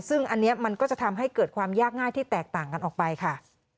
ซึ่งอันนี้มันก็จะทำให้เกิดความยากง่ายที่แตกต่างกันออกไปค่ะ